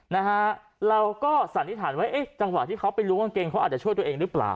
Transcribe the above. นะฮะเราก็สันนิษฐานว่าเอ๊ะจังหวะที่เขาไปล้วงกางเกงเขาอาจจะช่วยตัวเองหรือเปล่า